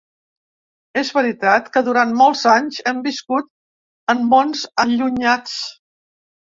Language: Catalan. És veritat que durant molts anys hem viscut en mons allunyats.